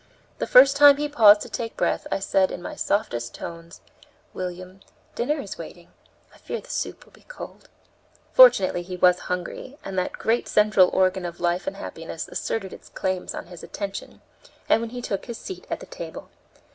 The first time he paused to take breath I said, in my softest tones: 'William, dinner is waiting; I fear the soup will be cold.' Fortunately he was hungry, and that great central organ of life and happiness asserted its claims on his attention, and he took his seat at the table.